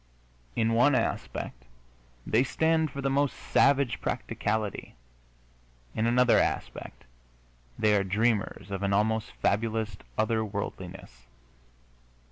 In one aspect they stand for the most savage practicality; in another aspect they are dreamers of an almost fabulous other worldiness.